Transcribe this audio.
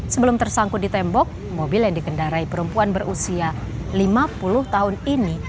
sebelum tersangkut di tembok mobil yang dikendarai perempuan berusia lima puluh tahun ini